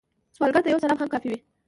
سوالګر ته یو سلام هم کافی وي